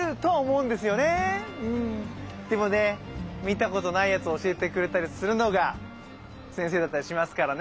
うんでもね見たことないやつ教えてくれたりするのが先生だったりしますからね。